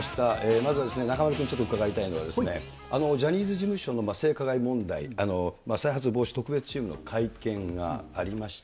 まずは中丸君、ちょっと伺いたいのは、ジャニーズ事務所の性加害問題、再発防止特別チームの会見がありました。